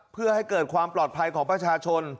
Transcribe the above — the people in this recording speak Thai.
เพื่อให้เกิดความปลอดภัยของประชาชน